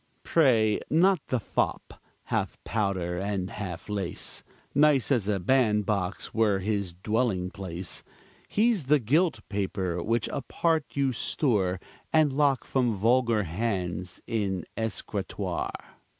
Pray not the fop, half powder and half lace, Nice as a bandbox were his dwelling place; He's the gilt paper, which apart you store, And lock from vulgar hands in the escritoire.